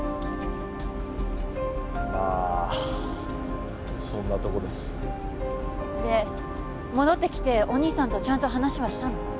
まあそんなとこですで戻ってきてお兄さんとちゃんと話はしたの？